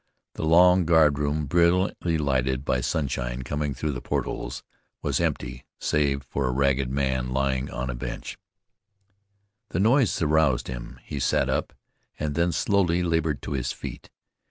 The long guardroom brilliantly lighted by sunshine coming through the portholes, was empty save for a ragged man lying on a bench. The noise aroused him; he sat up, and then slowly labored to his feet.